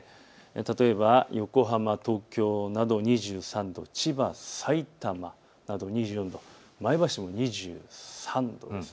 例えば横浜、東京など２３度、千葉、さいたまなど２４度、前橋も２３度です。